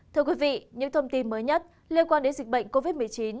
thưa quý vị những thông tin mới nhất liên quan đến dịch bệnh covid một mươi chín